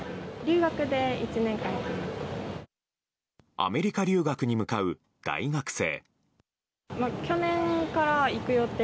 アメリカ留学に向かう大学生。